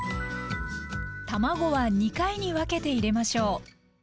卵は２回に分けて入れましょう。